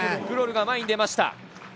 クロルが前に出ました。